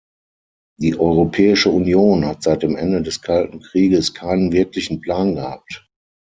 Die Europäische Union hat seit dem Ende des Kalten Krieges keinen wirklichen Plan gehabt.